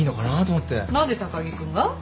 何で高木君が？